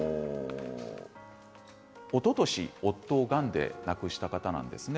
おととし夫をがんで亡くした方なんですね。